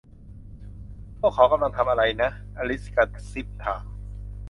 พวกเขากำลังทำอะไรนะ อลิซกระซิบถาม